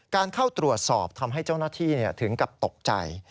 เข้าตรวจสอบทำให้เจ้าหน้าที่ถึงกับตกใจ